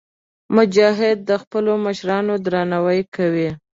مجاهد د خپلو مشرانو درناوی کوي.